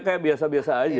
kayak biasa biasa aja